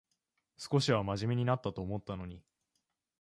少しはまじめになったと思ったのに